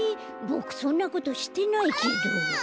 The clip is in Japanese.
ボクそんなことしてないけど。